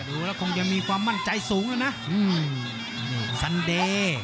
ดูแล้วคงจะมีความมั่นใจสูงแล้วนะซันเด